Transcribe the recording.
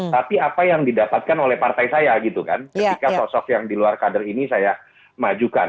tapi apa yang didapatkan oleh partai saya gitu kan ketika sosok yang di luar kader ini saya majukan